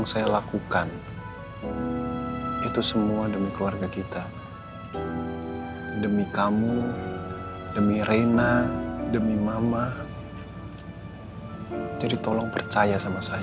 sampai jumpa di video selanjutnya